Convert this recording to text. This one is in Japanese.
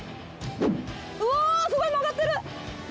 うおーっすごい曲がってる！